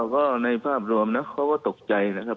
ก็ในภาพรวมนะเขาก็ตกใจนะครับ